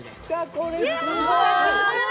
これすごい！